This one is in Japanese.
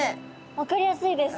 分かりやすいです